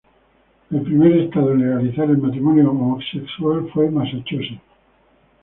El primer estado en legalizar el matrimonio homosexual fue Massachusetts.